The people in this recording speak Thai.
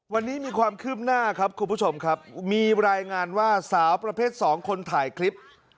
วันนี้มีความคืบหน้าครับคุณผู้ชมครับมีรายงานว่าสาวประเภท๒คนถ่ายคลิป